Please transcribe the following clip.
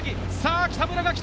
さぁ北村が来た！